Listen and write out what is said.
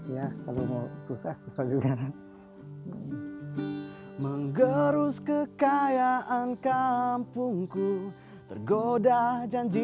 ya kalau mau sukses sukses juga